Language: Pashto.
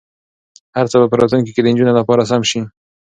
هر څه به په راتلونکي کې د نجونو لپاره سم شي.